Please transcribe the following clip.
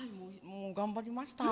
頑張りました。